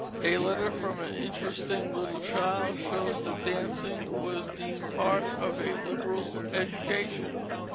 A letter from an interesting little child shows that dancing was deemed part of a "liberal education."